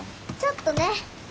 ちょっとね。